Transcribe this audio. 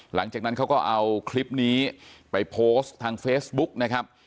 หลังจากนั้นเขาก็เอาคลิปนี้ไปโพสต์ทางเฟซบุ๊กนะครับ